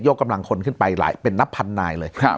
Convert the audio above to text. กำลังคนขึ้นไปหลายเป็นนับพันนายเลย